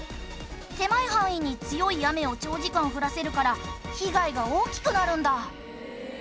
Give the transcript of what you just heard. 狭い範囲に強い雨を長時間降らせるから被害が大きくなるんだ。